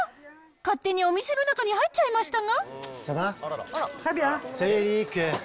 勝手にお店の中に入っちゃいましたが。